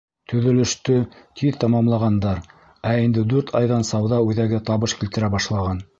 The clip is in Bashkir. Төҙөлөштө тиҙ тамамлағандар, ә инде дүрт айҙан сауҙа үҙәге табыш килтерә башлаған.